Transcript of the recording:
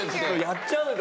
やっちゃうよ。